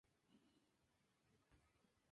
Se filmó en escenarios naturales en Noruega.